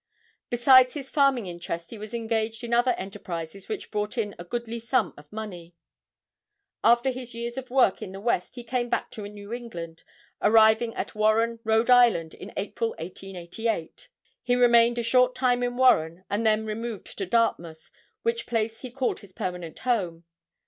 Besides his farming interest he was engaged in other enterprises which brought in a goodly sum of money. After his years of work in the west he came back to New England, arriving at Warren, Rhode Island, in April, 1888. He remained a short time in Warren and then removed to Dartmouth, which place he called his permanent home.